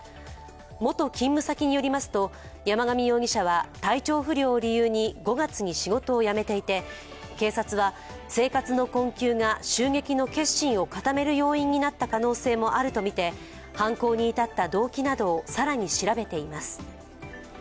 元勤務先によりますと、山上容疑者は体調不良を理由に５月に仕事を辞めていて警察は生活の困窮が襲撃の決心を固める要因になった可能性もあるとみて犯行に至った動機などを更に調べています。